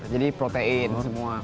jadi protein semua